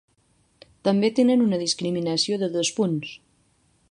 També tenen una discriminació de dos punts.